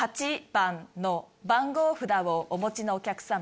３番の番号札をお持ちのお客様。